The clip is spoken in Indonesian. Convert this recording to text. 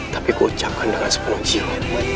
tapi ku ucapkan dengan sepenuh jiwa